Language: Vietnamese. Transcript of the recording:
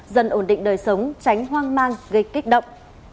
dần ổn định đời sống tránh hoang mang gây kích động